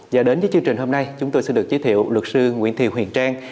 và đến với chương trình hôm nay chúng tôi xin được giới thiệu luật sư nguyễn thị huyền trang